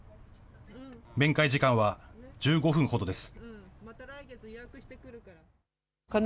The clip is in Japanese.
面会時間は１５分ほどです。